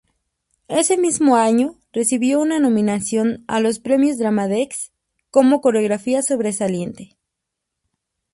Ese mismo año recibió una nominación a los premios Drama Desk como coreografía sobresaliente.